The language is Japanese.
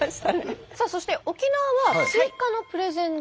さあそして沖縄は追加のプレゼンが。